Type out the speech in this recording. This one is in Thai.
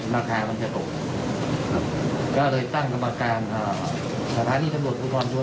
ก็เลยตั้งกำมาการศาธารีชำรวจ